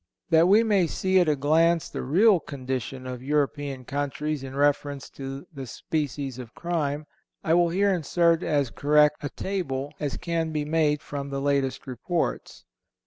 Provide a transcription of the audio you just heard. That we may see at a glance the real condition of European countries in reference to this species of crime, I will here insert as correct a table as can be made from the latest reports.